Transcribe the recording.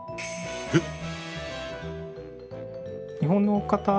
えっ？